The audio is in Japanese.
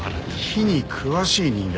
火に詳しい人間。